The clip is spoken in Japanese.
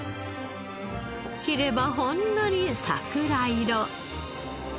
切ればほんのり桜色。